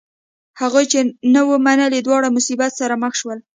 هغوی چې نه و منلی دواړه مصیبت سره مخ شول.